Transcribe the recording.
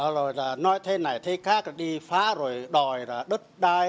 rồi là nói thế này thế khác là đi phá rồi đòi là đất đai